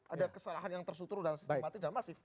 ada kesalahan yang tersutur dalam sistemati dan masif